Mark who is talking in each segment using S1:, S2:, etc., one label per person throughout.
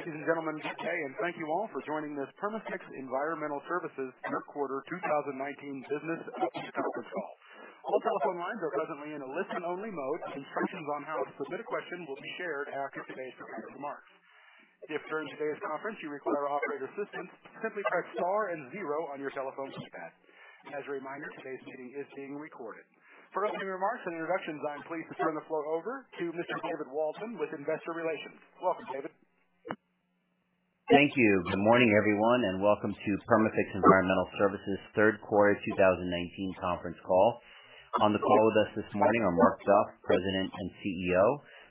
S1: Ladies and gentlemen, good day and thank you all for joining this Perma-Fix Environmental Services third quarter 2019 business update conference call. All telephone lines are presently in a listen-only mode. Instructions on how to submit a question will be shared after today's prepared remarks. If during today's conference you require operator assistance, simply press star and zero on your telephone keypad. As a reminder, today's meeting is being recorded. For opening remarks and introductions, I'm pleased to turn the floor over to Mr. David Waldman with Investor Relations. Welcome, David.
S2: Thank you. Good morning, everyone, and welcome to Perma-Fix Environmental Services third quarter 2019 conference call. On the call with us this morning are Mark Duff, President and CEO,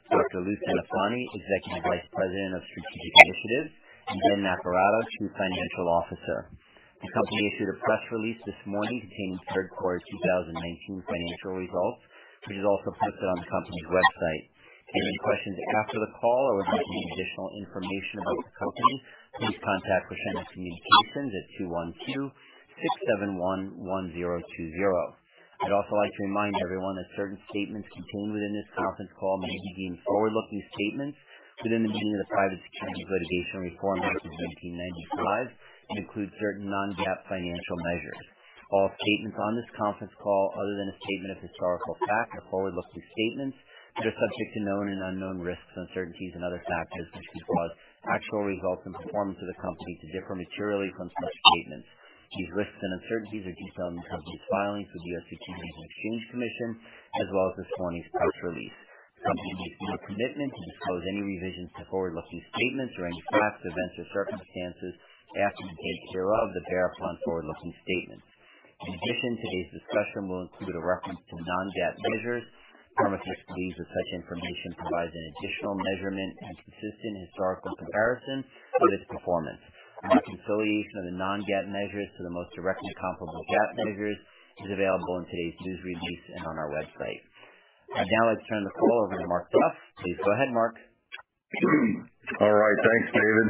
S2: Dr. Lou Centofanti, Executive Vice President of Strategic Initiatives, and Ben Naccarato, Chief Financial Officer. The company issued a press release this morning containing third quarter 2019 financial results, which is also posted on the company's website. If you have any questions after the call or would like any additional information about the company, please contact Crescendo Communications at 212-671-1020. I'd also like to remind everyone that certain statements contained within this conference call may be deemed forward-looking statements within the meaning of the Private Securities Litigation Reform Act of 1995 and include certain non-GAAP financial measures. All statements on this conference call, other than a statement of historical fact or forward-looking statements, that are subject to known and unknown risks, uncertainties and other factors which could cause actual results and performance of the company to differ materially from such statements. These risks and uncertainties are detailed in the company's filings with the U.S. Securities and Exchange Commission, as well as this morning's press release. The company assumes no commitment to disclose any revisions to forward-looking statements or any facts, events, or circumstances, after the date hereof, that bear upon forward-looking statements. In addition, today's discussion will include a reference to non-GAAP measures. Perma-Fix believes that such information provides an additional measurement and consistent historical comparison to its performance. A reconciliation of the non-GAAP measures to the most directly comparable GAAP measures is available in today's news release and on our website. Now let's turn the call over to Mark Duff. Please go ahead, Mark.
S3: All right. Thanks, David.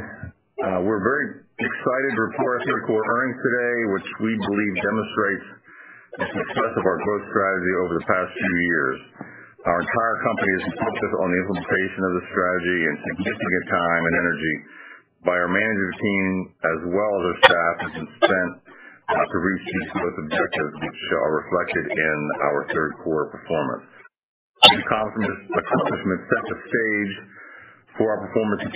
S3: We're very excited to report our third quarter earnings today, which we believe demonstrates the success of our growth strategy over the past few years. Our entire company has been focused on the implementation of this strategy and significant time and energy by our management team as well as our staff has been spent to reach these growth objectives, which are reflected in our third quarter performance. These accomplishments set the stage for our performance in 2019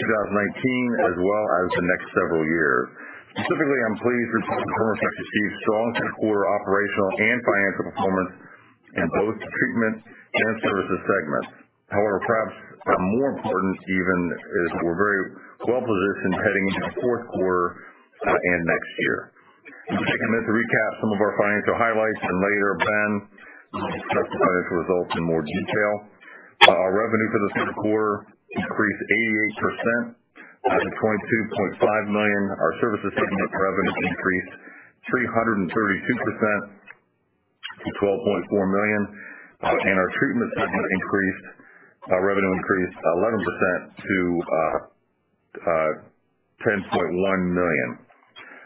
S3: as well as the next several years. Specifically, I'm pleased with performance as we see strong third quarter operational and financial performance in both the treatment and services segments. Perhaps more important even is we're very well-positioned heading into fourth quarter and next year. I'll take a minute to recap some of our financial highlights, and later Ben will discuss the financial results in more detail. Our revenue for the third quarter increased 88% to $22.5 million. Our services segment revenue increased 332% to $12.4 million. Our treatment segment revenue increased 11% to $10.1 million.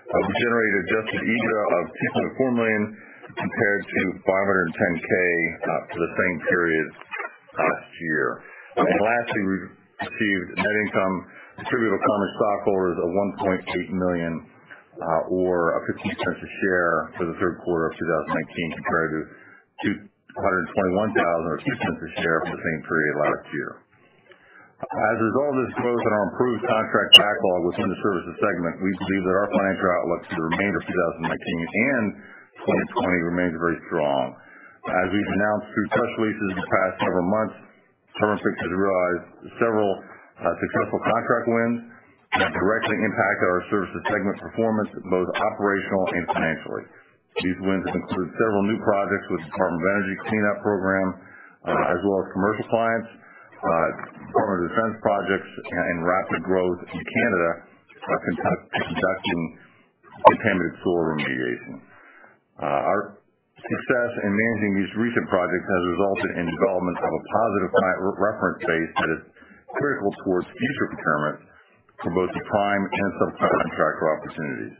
S3: We generated adjusted EBITDA of $2.4 million compared to $510,000 for the same period last year. Lastly, we received net income attributable to common stockholders of $1.8 million or $0.15 a share for the third quarter of 2019, compared to $221,000 or $0.02 a share for the same period last year. As a result of this growth in our improved contract backlog within the services segment, we believe that our financial outlook for the remainder of 2019 and 2020 remains very strong. As we've announced through press releases in the past several months, Perma-Fix has realized several successful contract wins that directly impact our services segment performance, both operational and financially. These wins have included several new projects with the Department of Energy cleanup program, as well as commercial clients, Department of Defense projects, and rapid growth in Canada conducting contaminated soil remediation. Our success in managing these recent projects has resulted in development of a positive client reference base that is critical towards future procurement for both prime and subprime contract opportunities.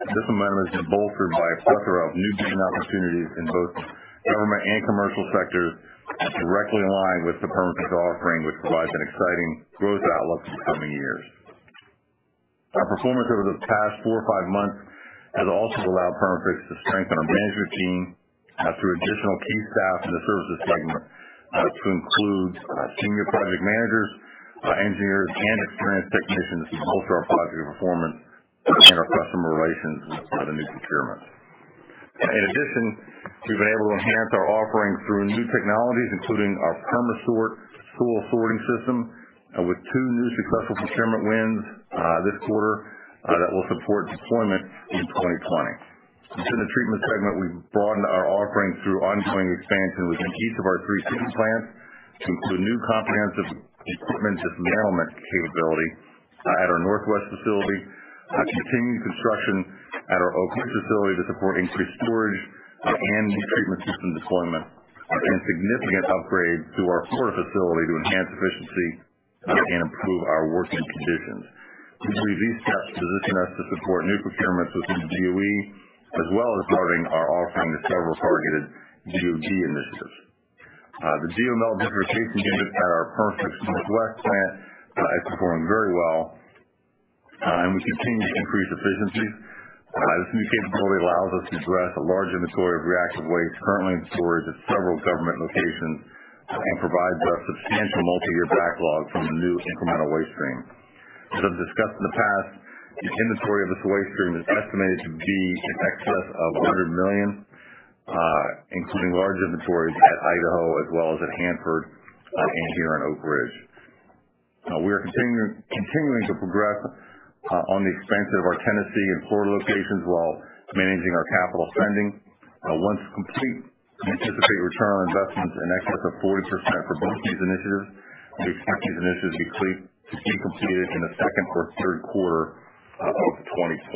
S3: This momentum has been bolstered by a plethora of new business opportunities in both government and commercial sectors directly in line with the Perma-Fix offering, which provides an exciting growth outlook for coming years. Our performance over the past four or five months has also allowed Perma-Fix to strengthen our management team through additional key staff in the services segment to include senior project managers, engineers, and experienced technicians to bolster our project performance and our customer relations with the new procurements. In addition, we've been able to enhance our offerings through new technologies, including our Perma-Sort soil sorting system, with two new successful procurement wins this quarter that will support deployment in 2020. Within the treatment segment, we've broadened our offerings through ongoing expansion within each of our three treatment plants to include new comprehensive equipment dismantlement capability at our Northwest facility, continuing construction at our Oak Ridge facility to support increased storage and new treatment system deployment, and significant upgrades to our Florida facility to enhance efficiency and improve our working conditions. We believe these steps position us to support new procurements within the DOE, as well as broaden our offering to several targeted DoD initiatives. The DML diversification unit at our Perma-Fix Northwest plant is performing very well, and we continue to increase efficiency. This new capability allows us to address a large inventory of reactive waste currently stored at several government locations and provides a substantial multi-year backlog from the new incremental waste stream. As I've discussed in the past, the inventory of this waste stream is estimated to be in excess of $100 million, including large inventories at Idaho as well as at Hanford and here in Oak Ridge. We are continuing to progress on the expansion of our Tennessee and Florida locations while managing our capital spending. Once complete, we anticipate ROI in excess of 40% for both these initiatives. We expect these initiatives to be completed in the second or third quarter of 2020.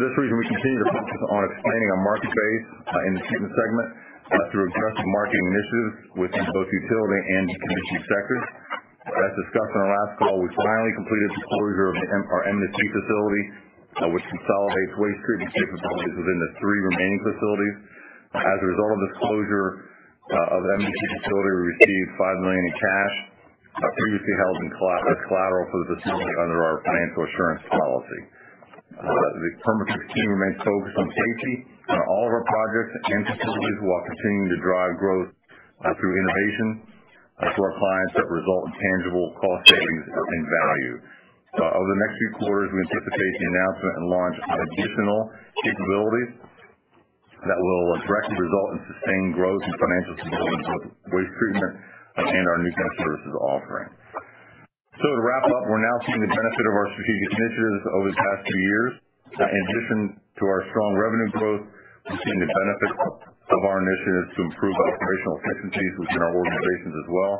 S3: For this reason, we continue to focus on expanding our market base in the treatment segment to address the market initiatives within both utility and conditioning sectors. As discussed on our last call, we finally completed the closure of our M&EC facility, which consolidates waste treatment capabilities within the three remaining facilities. As a result of this closure of the M&EC facility, we received $5 million in cash previously held as collateral for the facility under our financial assurance policy. The Perma-Fix team remains focused on safety on all of our projects and facilities while continuing to drive growth through innovation to our clients that result in tangible cost savings and value. Over the next few quarters, we anticipate the announcement and launch of additional capabilities that will directly result in sustained growth and financial stability in both waste treatment and our nuclear services offering. To wrap up, we're now seeing the benefit of our strategic initiatives over the past few years. In addition to our strong revenue growth, we've seen the benefits of our initiatives to improve operational efficiencies within our organizations as well.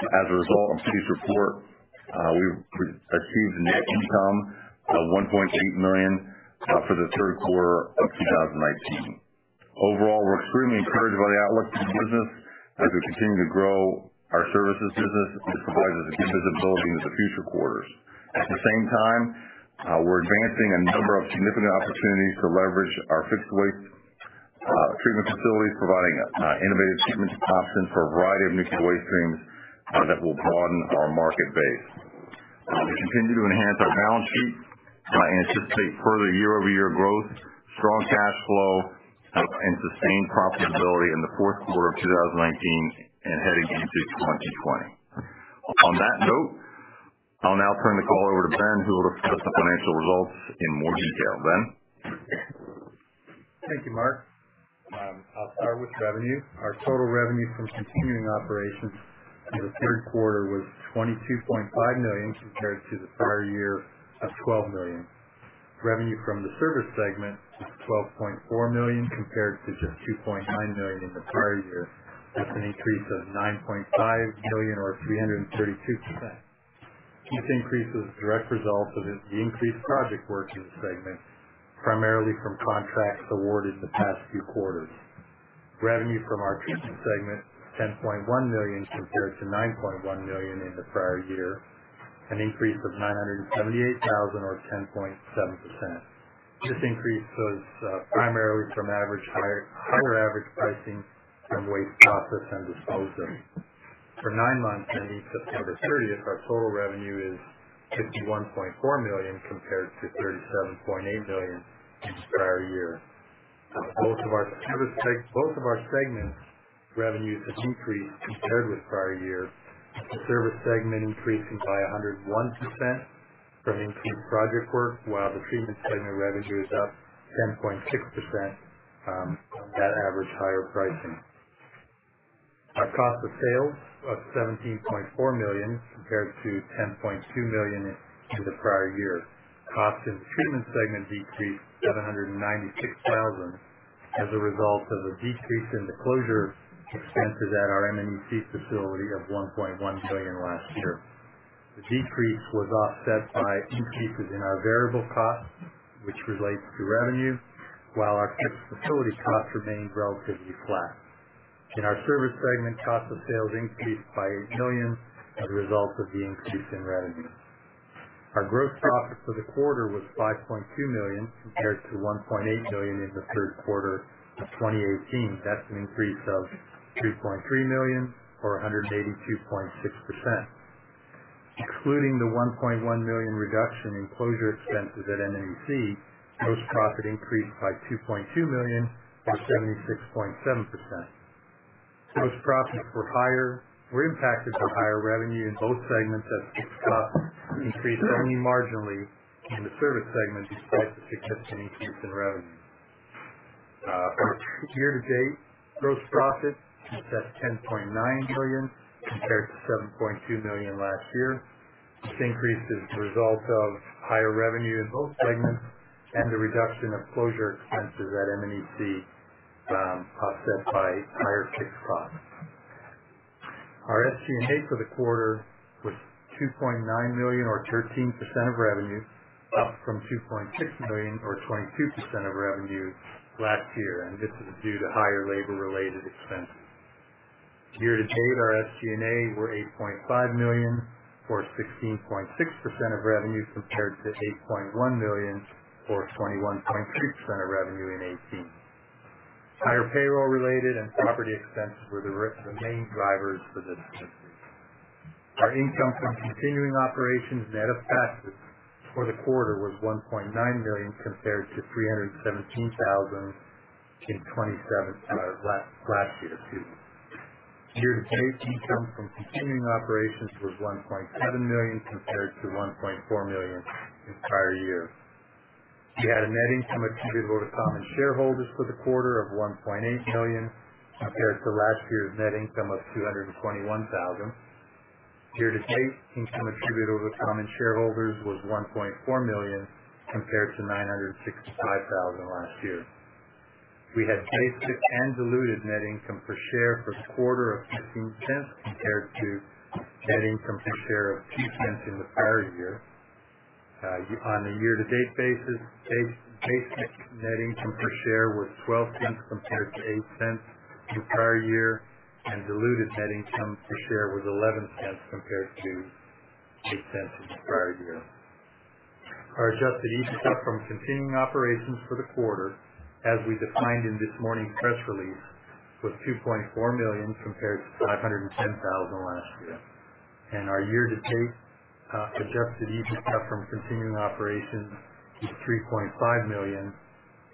S3: As a result of today's report, we've achieved net income of $1.8 million for the third quarter of 2019. Overall, we're extremely encouraged by the outlook for the business. As we continue to grow our services business, this provides us a good visibility into future quarters. At the same time, we're advancing a number of significant opportunities to leverage our fixed waste treatment facilities, providing innovative treatment options for a variety of nuclear waste streams that will broaden our market base. We continue to enhance our balance sheet and anticipate further year-over-year growth, strong cash flow, and sustained profitability in the fourth quarter of 2019 and heading into 2020. On that note, I'll now turn the call over to Ben, who will discuss the financial results in more detail. Ben?
S4: Thank you, Mark. I'll start with revenue. Our total revenue from continuing operations for the third quarter was $22.5 million compared to the prior year of $12 million. Revenue from the service segment was $12.4 million compared to just $2.9 million in the prior year. That's an increase of $9.5 million or 332%. This increase is a direct result of the increased project work in the segment, primarily from contracts awarded the past few quarters. Revenue from our treatment segment, $10.1 million compared to $9.1 million in the prior year, an increase of $978,000 or 10.7%. This increase is primarily from higher average pricing from waste processed and disposed of. For 9 months ending September 30th, our total revenue is $51.4 million compared to $37.8 million the prior year. Both of our segments' revenues have increased compared with prior year. The service segment increased by 101% from increased project work, while the treatment segment revenue is up 10.6% on that average higher pricing. Our cost of sales was $17.4 million compared to $10.2 million in the prior year. Cost in the treatment segment decreased $796,000 as a result of a decrease in the closure expenses at our M&EC facility of $1.1 million last year. The decrease was offset by increases in our variable costs, which relates to revenue, while our fixed facility costs remained relatively flat. In our service segment, cost of sales increased by $8 million as a result of the increase in revenue. Our gross profit for the quarter was $5.2 million compared to $1.8 million in the third quarter of 2018. That's an increase of $3.3 million or 182.6%. Excluding the $1.1 million reduction in closure expenses at M&EC, gross profit increased by $2.2 million or 76.7%. Gross profit was impacted from higher revenue in both segments as fixed costs increased only marginally in the service segment despite the significant increase in revenue. For year-to-date, gross profit was $10.9 million compared to $7.2 million last year. This increase is the result of higher revenue in both segments and the reduction of closure expenses at M&EC, offset by higher fixed costs. Our SG&A for the quarter was $2.9 million or 13% of revenue, up from $2.6 million or 22% of revenue last year. This is due to higher labor-related expenses. Year-to-date, our SG&A was $8.5 million, or 16.6% of revenue, compared to $8.1 million, or 21.3% of revenue in 2018. Higher payroll-related and property expenses were the main drivers for this increase. Our income from continuing operations net of taxes for the quarter was $1.9 million, compared to $317,000 in last year, 2018. Year-to-date income from continuing operations was $1.7 million compared to $1.4 million the entire year. We had a net income attributable to common shareholders for the quarter of $1.8 million, compared to last year's net income of $221,000. Year-to-date income attributable to common shareholders was $1.4 million, compared to $965,000 last year. We had basic and diluted net income per share for the quarter of $0.15, compared to net income per share of $0.02 in the prior year. On a year-to-date basis, basic net income per share was $0.12 compared to $0.08 the prior year, and diluted net income per share was $0.11 compared to $0.08 the prior year. Our adjusted EBITDA from continuing operations for the quarter, as we defined in this morning's press release, was $2.4 million, compared to $510,000 last year. Our year-to-date adjusted EBITDA from continuing operations is $3.5 million,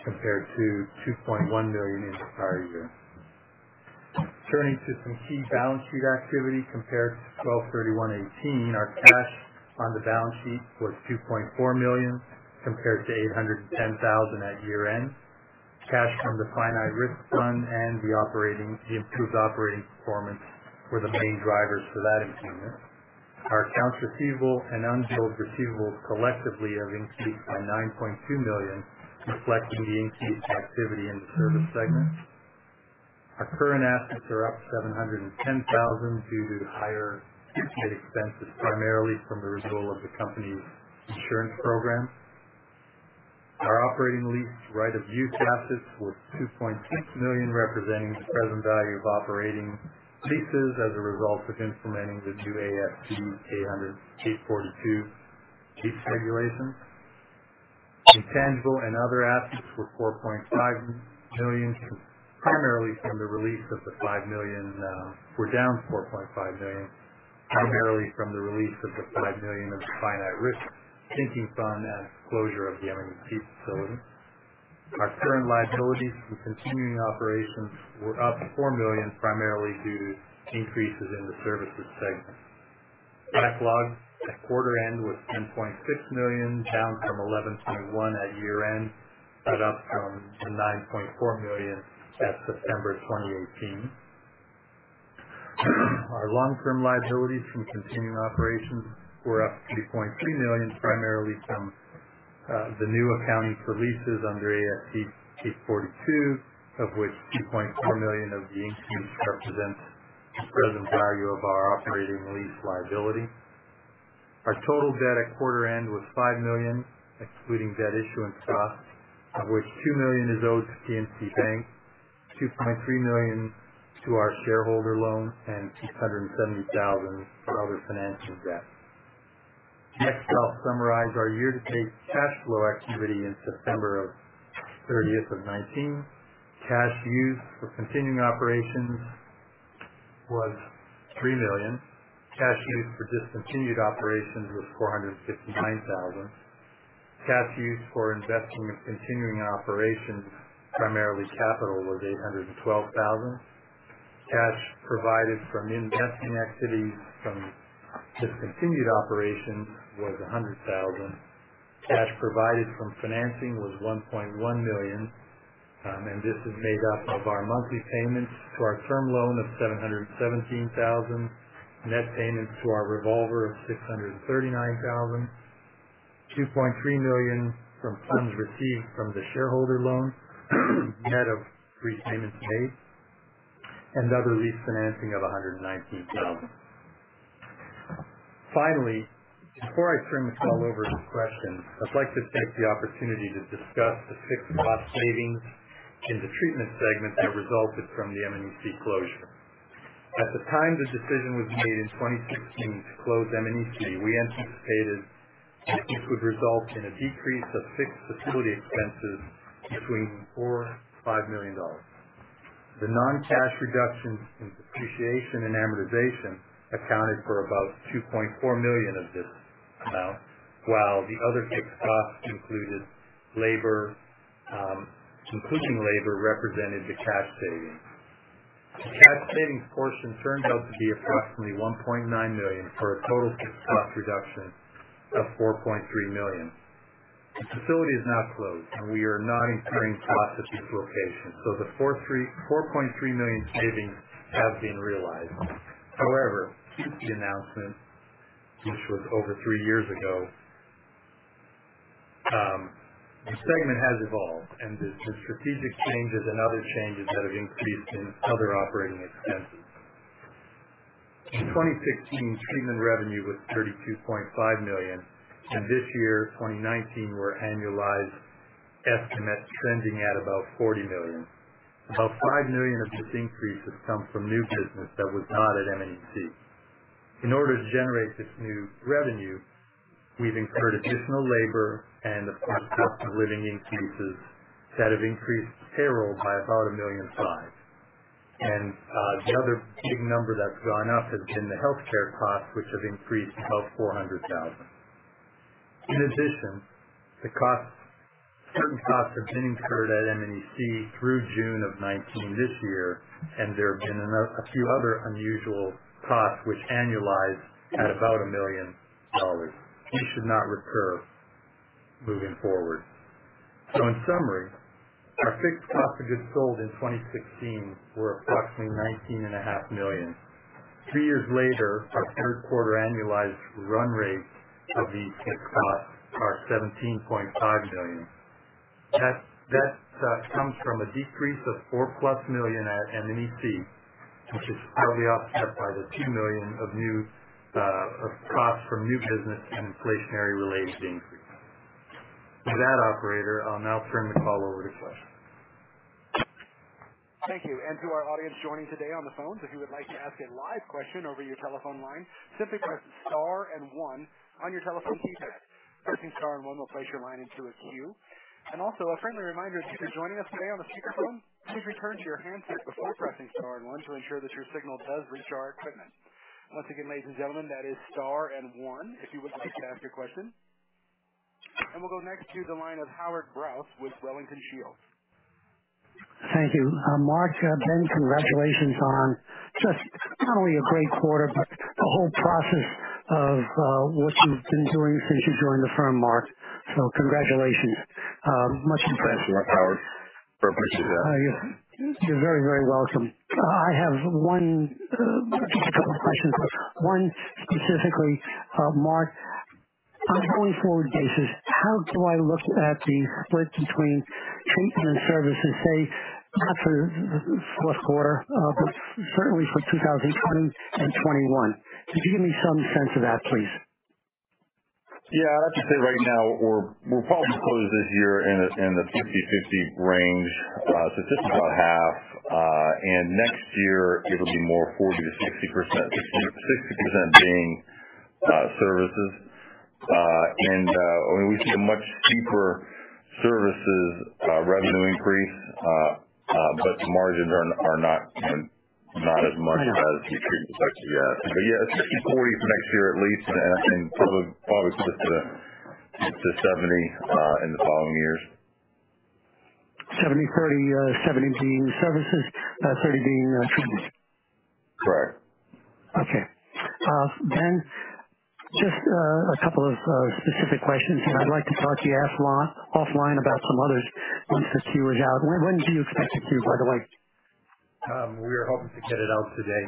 S4: compared to $2.1 million the entire year. Turning to some key balance sheet activity compared to 12/31/2018, our cash on the balance sheet was $2.4 million, compared to $810,000 at year-end. Cash from the finite risk fund and the improved operating performance were the main drivers for that improvement. Our accounts receivable and unbilled receivables collectively have increased by $9.2 million, reflecting the increased activity in the service segment. Our current assets are up $710,000 due to higher paid expenses, primarily from the renewal of the company's insurance program. Our operating lease right-of-use assets was $2.6 million, representing the present value of operating leases as a result of implementing the new ASC 842 lease regulation. We're down $4.5 million, primarily from the release of the $5 million of finite risk sinking fund and closure of the M&EC facility. Our current liabilities from continuing operations were up $4 million, primarily due to increases in the services segment. Backlog at quarter end was $10.6 million, down from $11.1 million at year-end, but up from $9.4 million at September 2018. Our long-term liabilities from continuing operations were up $3.3 million, primarily from the new accounting for leases under ASC 842, of which $2.4 million of the increase represents the present value of our operating lease liability. Our total debt at quarter end was $5 million, excluding debt issuance costs, of which $2 million is owed to PNC Bank, $2.3 million to our shareholder loan, and $270,000 for other financial debt. I'll summarize our year-to-date cash flow activity in September 30, 2019. Cash used for continuing operations was $3 million. Cash used for discontinued operations was $469,000. Cash used for investing in continuing operations, primarily capital, was $812,000. Cash provided from investing activities from discontinued operations was $100,000. Cash provided from financing was $1.1 million. This is made up of our monthly payments to our term loan of $717,000, net payments to our revolver of $639,000, $2.3 million from funds received from the shareholder loan net of repayments made, and other lease financing of $119,000. Before I turn this all over to questions, I'd like to take the opportunity to discuss the fixed cost savings in the treatment segment that resulted from the M&EC closure. At the time the decision was made in 2016 to close M&EC, we anticipated this would result in a decrease of fixed facility expenses between $4 million-$5 million. The non-cash reductions in depreciation and amortization accounted for about $2.4 million of this amount, while the other fixed costs included labor, completion labor represented the cash savings. The cash savings portion turned out to be approximately $1.9 million for a total fixed cost reduction of $4.3 million. The facility is now closed, and we are not incurring costs at this location, so the $4.3 million savings have been realized. Since the announcement, which was over three years ago, the segment has evolved and the strategic changes and other changes that have increased in other operating expenses. In 2016, treatment revenue was $32.5 million, this year, 2019, we're annualized estimate trending at about $40 million. About $5 million of this increase has come from new business that was not at M&EC. In order to generate this new revenue, we've incurred additional labor and the cost of living increases that have increased payroll by about $1.5 million. The other big number that's gone up has been the healthcare costs, which have increased about $400,000. In addition, certain costs have been incurred at M&EC through June of 2019 this year, and there have been a few other unusual costs which annualize at about $1 million, which should not recur moving forward. In summary, our fixed costs of goods sold in 2016 were approximately $19.5 million. Three years later, our third quarter annualized run rate of these fixed costs are $17.5 million. That comes from a decrease of $4-plus million at M&EC, which is partly offset by the $2 million of costs from new business and inflationary related increases. With that, operator, I'll now turn the call over to questions.
S1: Thank you. To our audience joining today on the phone, if you would like to ask a live question over your telephone line, simply press star and one on your telephone keypad. Pressing star and one will place your line into a queue. Also a friendly reminder, if you're joining us today on a speakerphone, please return to your handset before pressing star and one to ensure that your signal does reach our equipment. Once again, ladies and gentlemen, that is star and one if you would like to ask a question. We'll go next to the line of Howard Brous with Wellington Shields.
S5: Thank you. Mark, Ben, congratulations on just not only a great quarter, but the whole process of what you've been doing since you joined the firm, Mark. Congratulations. I'm much impressed.
S3: Thanks a lot, Howard, for what you said.
S5: You're very welcome. I have just a couple of questions. One specifically, Mark, on a going forward basis, how do I look at the split between treatment and services, say, not for the fourth quarter, but certainly for 2020 and 2021? Could you give me some sense of that, please?
S3: I'd have to say right now we'll probably close this year in the 50/50 range. just about half. next year it'll be more 40%-60%, 60% being services. we see a much steeper services revenue increase. the margins are not as much as the treatment side. it's 50/40 for next year at least, and probably split to 70 in the following years.
S5: 70/30, 70 being services, 30 being treatment?
S3: Correct.
S5: Okay. Ben, just a couple of specific questions here. I'd like to talk to you offline about some others once the Q is out. When do you expect the Q, by the way?
S4: We are hoping to get it out today.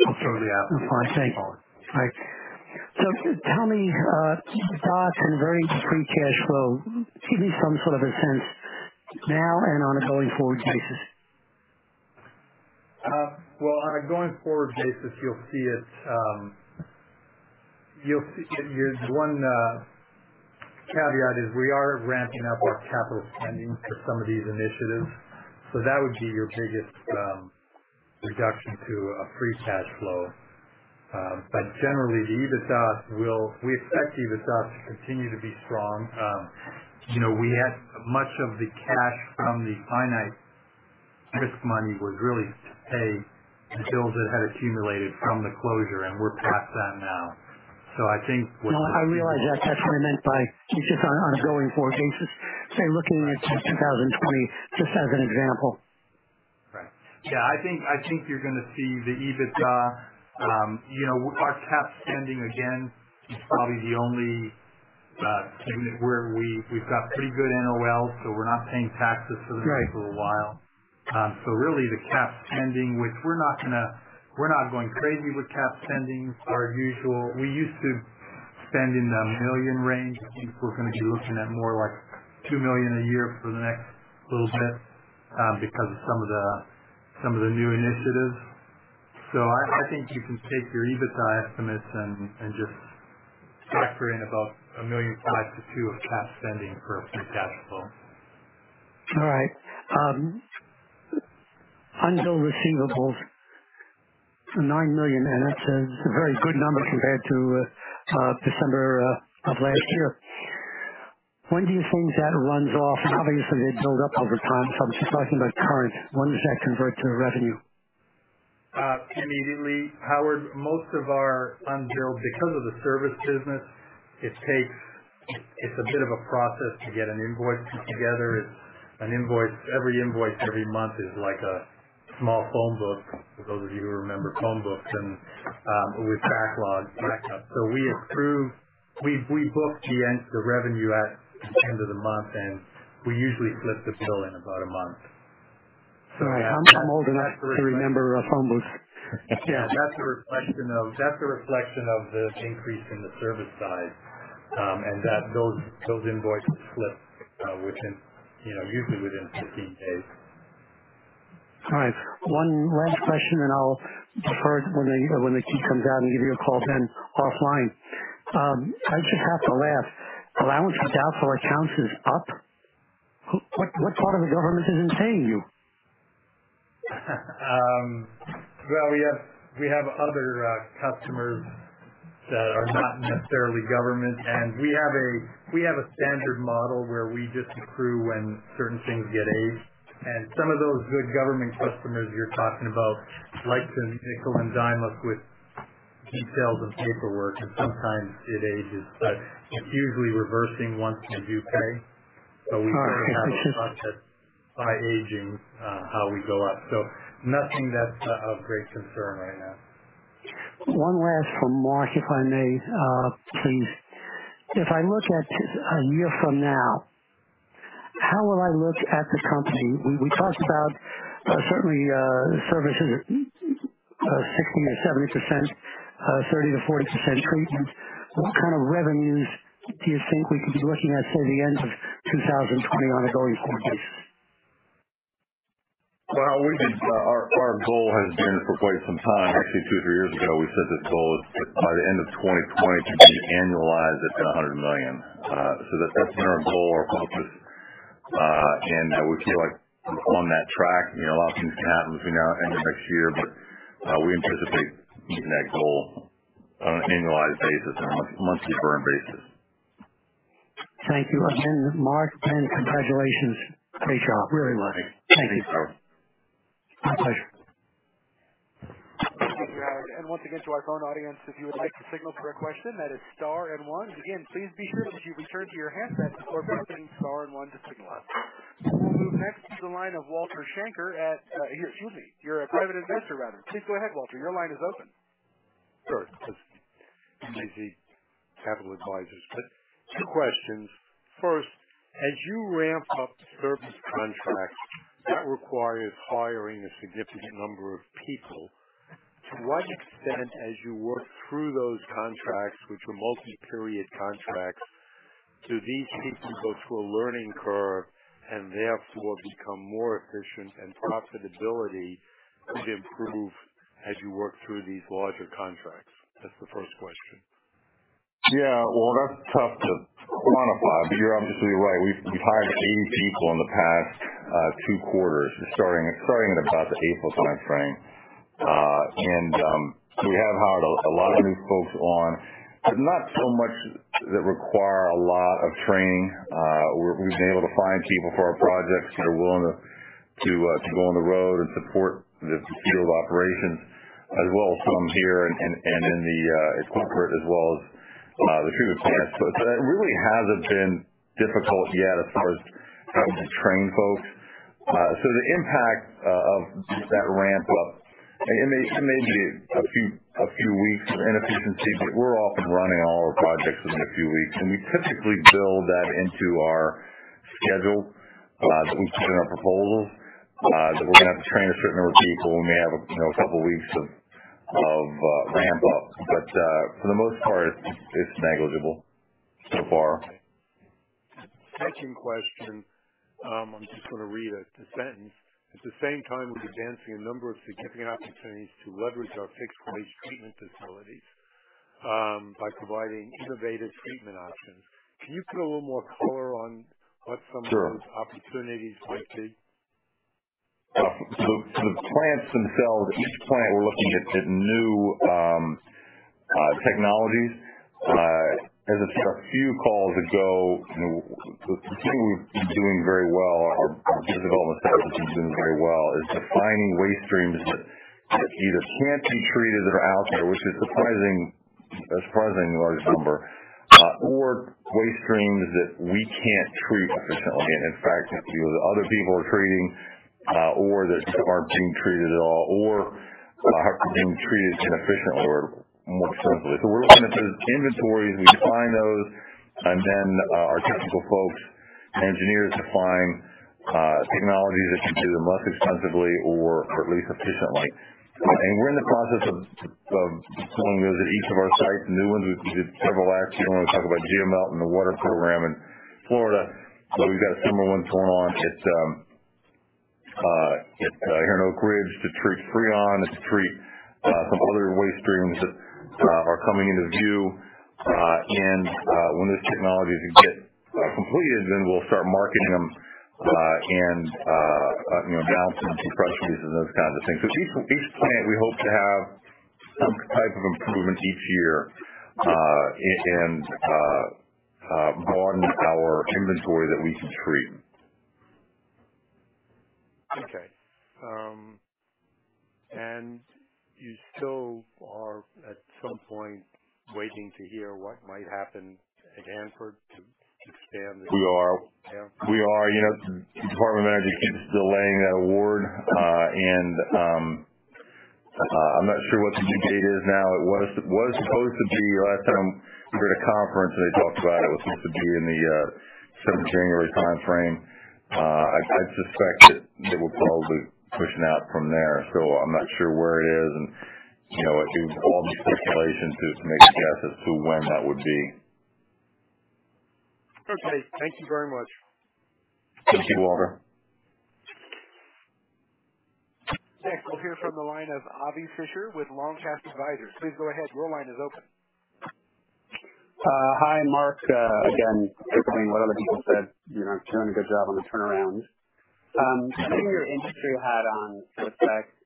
S3: It's probably out.
S5: Thank you. All right. Tell me, EBITDA and varied free cash flow. Give me some sort of a sense now and on a going forward basis.
S4: Well, on a going forward basis, one caveat is we are ramping up our capital spending for some of these initiatives. That would be your biggest reduction to a free cash flow. Generally, we expect EBITDA to continue to be strong. Much of the cash from the finite risk money was really to pay the bills that had accumulated from the closure, and we're past that now.
S5: No, I realize that. That's what I meant by just on a going forward basis, say, looking at 2020, just as an example.
S4: Right. Yeah, I think you're going to see the EBITDA. Our cap spending, again, is probably the only thing that we've got pretty good NOLs, so we're not paying taxes for the next little while.
S5: Right.
S4: Really the cap spending, which we're not going crazy with cap spending per usual. We used to spend in the million range. I think we're going to be looking at more like $2 million a year for the next little bit because of some of the new initiatives. I think you can take your EBITDA estimates and just factor in about $1.5 million-$2 million of cap spending for free cash flow.
S5: All right. Unbilled receivables, $9 million, and that's a very good number compared to December of last year. When do you think that runs off? Obviously, they build up over time, so I'm just talking about current. When does that convert to revenue?
S4: Immediately. Howard, most of our unbilled, because of the service business, it's a bit of a process to get an invoice put together. Every invoice every month is like a small phone book, for those of you who remember phone books, and we backlog. We book the revenue at the end of the month, and we usually slip the bill in about a month.
S5: I'm old enough to remember a phone book.
S4: Yeah, that's a reflection of the increase in the service side, and those invoices slip.
S3: Usually within 15 days.
S5: All right. One last question, and I'll defer to when the key comes out and give you a call then offline. I just have to laugh. Allowance for doubtful accounts is up? What part of the government isn't paying you?
S3: Well, we have other customers that are not necessarily government, and we have a standard model where we just accrue when certain things get aged. Some of those good government customers you're talking about like to nickel and dime us with details and paperwork, and sometimes it ages. It's usually reversing once they do pay.
S5: All right.
S3: We sort of have a process by aging how we go up. Nothing that's of great concern right now.
S5: One last from Mark, if I may, please. If I look at a year from now, how will I look at the company? We talked about certainly services at 60%-70%, 30%-40% treatment. What kind of revenues do you think we could be looking at, say, the end of 2020 on a going-forward basis?
S3: Our goal has been for quite some time, actually two, three years ago, we said this goal is by the end of 2020 to be annualized at $100 million. That's been our goal, our focus, and we feel like we're on that track. A lot of things can happen between now and next year, but we anticipate meeting that goal on an annualized basis, on a monthly burn basis.
S5: Thank you again, Mark, and congratulations.
S3: Great job.
S5: Really well. Thank you.
S3: Thank you.
S5: My pleasure.
S1: Thank you. Once again, to our phone audience, if you would like to signal for a question, that is star and one. Again, please be sure that you return to your handset before voting star and one to signal. We will move next to the line of Walter Shanker. Excuse me. You're a private investor, rather. Please go ahead, Walter. Your line is open.
S6: Sure. This is Walter Shanker, J.Z. Capital Advisors. Two questions. First, as you ramp up service contracts, that requires hiring a significant number of people. To what extent, as you work through those contracts, which are multi-period contracts, do these teach people through a learning curve and therefore become more efficient and profitability could improve as you work through these larger contracts? That's the first question.
S3: Yeah, Walter, that's tough to quantify, but you're obviously right. We've hired 80 people in the past two quarters, starting at about the April timeframe. We have hired a lot of new folks on, but not so much that require a lot of training. We've been able to find people for our projects that are willing to go on the road and support the field operations as well as some here and in the corporate as well as the treatment plants. That really hasn't been difficult yet as far as having to train folks. The impact of that ramp up, there may be a few weeks of inefficiency, but we're off and running all our projects within a few weeks, and we typically build that into our schedule that we put in our proposals, that we're going to have to train a certain number of people. We may have a couple of weeks of ramp up, but for the most part, it's negligible so far.
S6: Second question. I'm just going to read a sentence. At the same time, we're advancing a number of significant opportunities to leverage our fixed-base treatment facilities by providing innovative treatment options. Can you put a little more color on what some?
S3: Sure.
S6: -of those opportunities might be?
S3: The plants themselves, each plant, we're looking at new technologies. As of a few calls ago, the thing we've been doing very well, our business development side has been doing very well, is defining waste streams that either can't be treated that are out there, which is a surprising large number, or waste streams that we can't treat efficiently. In fact, either other people are treating, or that aren't being treated at all, or are being treated inefficiently or more expensively. We're looking at those inventories, we define those, and then our technical folks and engineers define technologies that can do them less expensively or at least efficiently. We're in the process of doing those at each of our sites. New ones, we did several last year when we talked about GeoMelt and the water program in Florida. We've got similar ones going on here in Oak Ridge to treat Freon and to treat some other waste streams that are coming into view. When those technologies get completed, then we'll start marketing them and balancing some currencies and those kinds of things. At each plant, we hope to have some type of improvements each year and broaden our inventory that we can treat.
S6: Okay. You still are at some point waiting to hear what might happen at Hanford to expand this?
S3: We are. The Department of Energy keeps delaying that award, and I'm not sure what the new date is now. Last time we were at a conference, and they talked about it was supposed to be in the December, January timeframe. I suspect that it will probably push out from there. I'm not sure where it is, and I do all the speculation to make a guess as to when that would be.
S6: Okay. Thank you very much.
S3: Thank you, Walter.
S1: Next, we'll hear from the line of Avi Fisher with Long Cast Advisors. Please go ahead. Your line is open.
S7: Hi, Mark. Again, echoing what other people said, you're doing a good job on the turnaround. I think your industry had on the effects.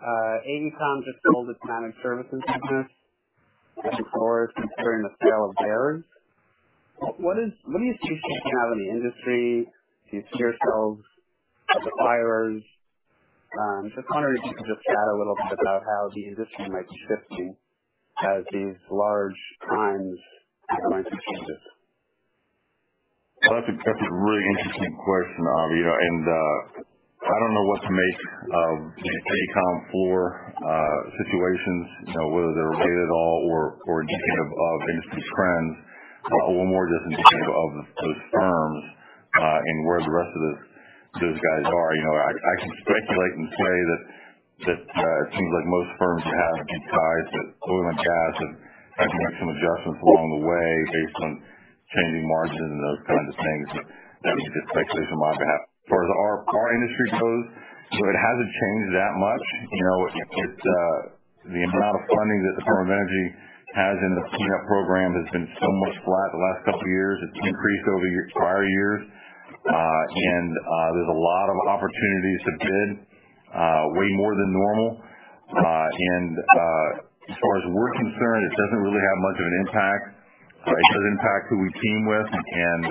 S7: AECOM just sold its managed services business. Fluor is considering the sale of theirs. What are you seeing out in the industry? Do you see yourselves as buyers? Just wondering if you could just chat a little bit about how the industry might be shifting as these large primes go into changes.
S3: That's a really interesting question, Avi. I don't know what to make of AECOM, Fluor situations, whether they're related at all or indicative of industry trends or more just indicative of those firms and where the rest of those guys are. I can speculate and say that it seems like most firms have been tied to oil and gas and had to make some adjustments along the way based on changing margins and those kinds of things. That's just speculation on my behalf. As far as our industry goes, it hasn't changed that much. The amount of funding that the Department of Energy has in the PNNL program has been somewhat flat the last couple of years. It's increased over prior years. There's a lot of opportunities to bid, way more than normal. As far as we're concerned, it doesn't really have much of an impact. It does impact who we team with and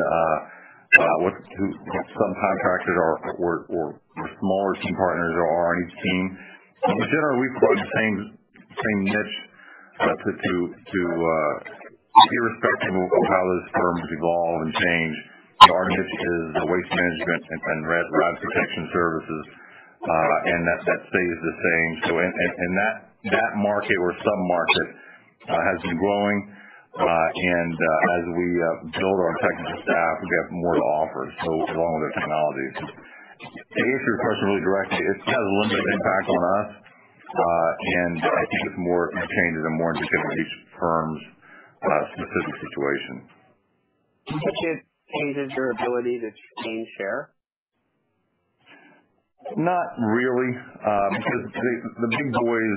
S3: what subcontractors or what smaller team partners there are on each team. In general, we've grown in the same niche. Irrespective of how those firms evolve and change, our niche is waste management and rad protection services, and that stays the same. In that market or sub-market has been growing. As we build our technical staff, we have more to offer along with our technologies. To answer your question really directly, it has a limited impact on us. I think it's more changes are more indicative of each firm's specific situation.
S7: Do you think it changes your ability to gain share?
S3: Not really. The big boys,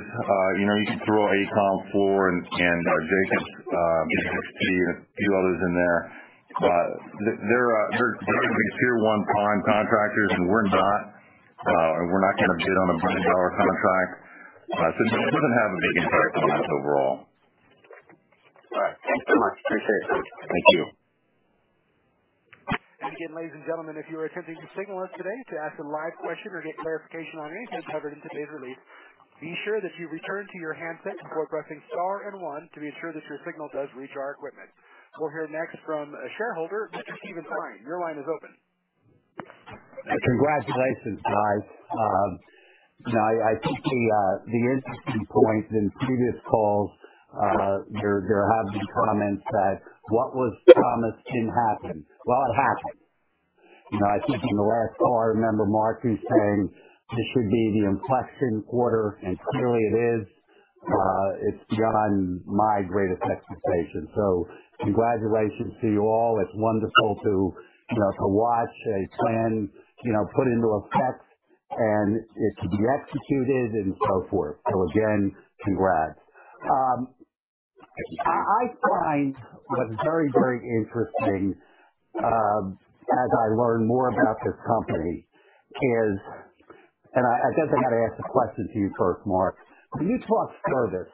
S3: you can throw AECOM, Fluor, and Jacobs, BWXT, and a few others in there. They're tier 1 prime contractors, and we're not. We're not going to bid on a billion-dollar contract. It doesn't have a big impact on us overall.
S7: All right. Thanks so much. Appreciate it.
S3: Thank you.
S1: Again, ladies and gentlemen, if you are attempting to signal us today to ask a live question or get clarification on anything covered in today's release, be sure that you return to your handset before pressing star and one to be sure that your signal does reach our equipment. We'll hear next from a shareholder, Steven Fine. Your line is open.
S8: Congratulations, guys. I think the interesting point in previous calls, there have been comments that what was promised didn't happen. It happened. I think in the last call, I remember Mark, you saying this should be the inflection quarter, and clearly it is. It's beyond my greatest expectations. Congratulations to you all. It's wonderful to watch a plan put into effect and it to be executed and so forth. Again, congrats. I find what's very, very interesting, as I learn more about this company is, and I guess I got to ask the question to you first, Mark. Do you talk service?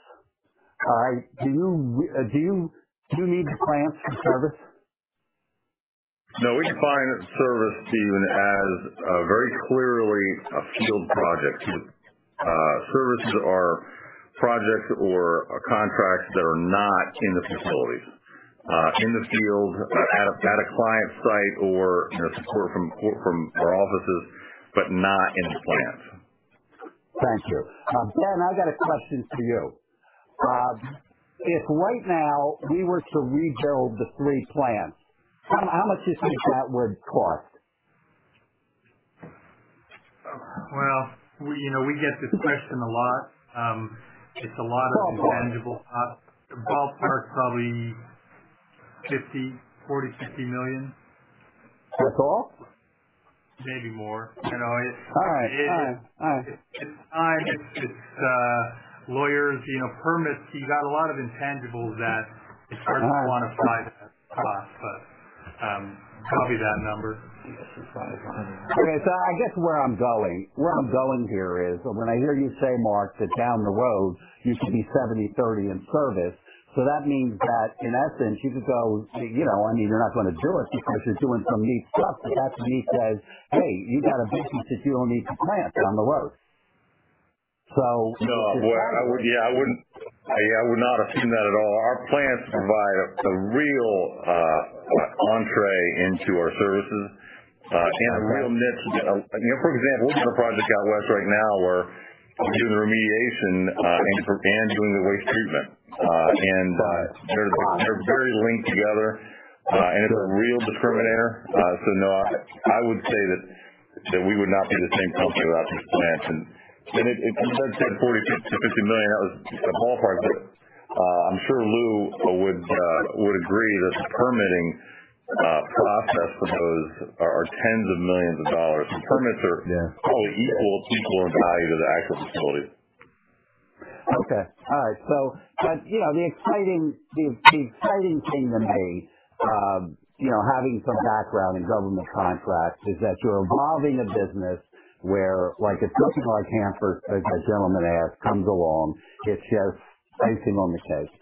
S8: Do you need to plant some service?
S3: No, we define service, Steven, as a very clearly a field project. Services are projects or contracts that are not in the facilities, in the field, at a client site or support from our offices, but not in the plants.
S8: Thank you. Ben, I got a question for you. If right now we were to rebuild the three plants, how much do you think that would cost?
S4: Well, we get this question a lot. It's a lot of intangibles. Ballpark, probably $40 million-$50 million.
S8: That's all?
S4: Maybe more.
S8: All right.
S4: It's time, it's lawyers, permits. You got a lot of intangibles that it's hard to quantify the cost, but I'll give you that number.
S3: Yes, it's probably plenty more.
S8: Okay. I guess where I'm going here is when I hear you say, Mark, that down the road you should be 70/30 in service. That means that in essence, you could go, I mean, you're not going to do it because you're doing some neat stuff. That to me says, hey, you got a business if you don't need the plants down the road.
S3: No. I would not assume that at all. Our plants provide a real entrée into our services and a real niche. For example, we've got a project out west right now where we're doing the remediation and doing the waste treatment. They're very linked together, and it's a real discriminator. No, I would say that we would not be the same company without these plants. You said $40 million-$50 million. That was the ballpark, but I'm sure Lou would agree that the permitting process for those are tens of millions of dollars. The permits are probably equal in value to the actual facility.
S8: Okay. All right. The exciting thing to me, having some background in government contracts, is that you're evolving a business where, like a customer like Hanford, like the gentleman asked, comes along, it's just icing on the cake.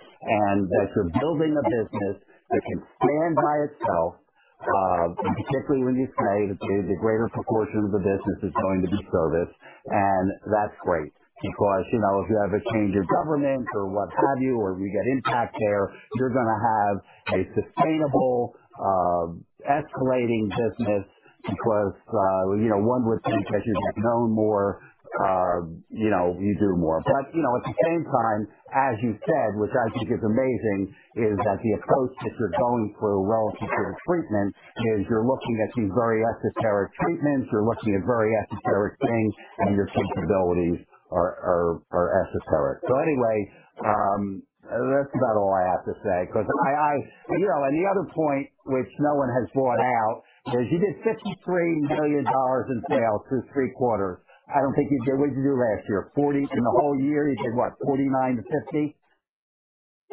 S8: As you're building a business that can stand by itself, particularly when you say that the greater proportion of the business is going to be service, and that's great. If you have a change in government, or what have you, or you get impact there, you're going to have a sustainable, escalating business because one would think as you get known more, you do more. At the same time, as you said, which I think is amazing, is that the approach that you're going through relative to the treatment is you're looking at these very esoteric treatments, you're looking at very esoteric things, and your capabilities are esoteric. Anyway, that's about all I have to say. The other point, which no one has brought out, is you did $53 million in sales through three quarters. What'd you do last year? 40? In the whole year, you did what, 49-50?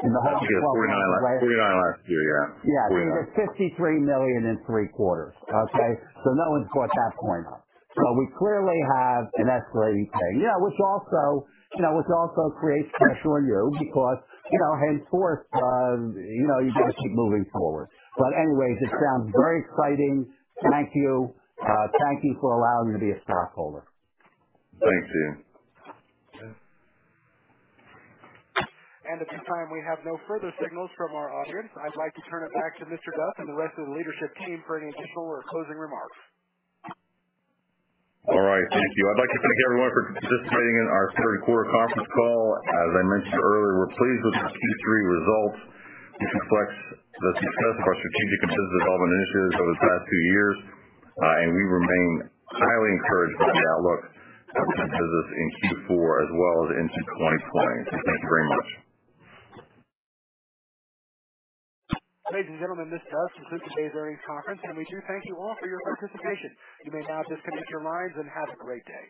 S3: $49 last year, yeah.
S8: Yeah. You did $53 million in three quarters. Okay? No one's brought that point up. We clearly have an escalating thing, which also creates pressure on you because henceforth, you got to keep moving forward. Anyway, this sounds very exciting. Thank you. Thank you for allowing me to be a stockholder.
S3: Thanks, Steven.
S1: At this time, we have no further signals from our audience. I'd like to turn it back to Mr. Duff and the rest of the leadership team for any additional or closing remarks.
S3: All right. Thank you. I'd like to thank everyone for participating in our third quarter conference call. As I mentioned earlier, we're pleased with the Q3 results, which reflects the success of our strategic and business development initiatives over the past two years. We remain highly encouraged by the outlook of the business in Q4 as well as into 2020. Thank you very much.
S1: Ladies and gentlemen, this does conclude today's earnings conference. We do thank you all for your participation. You may now disconnect your lines. Have a great day.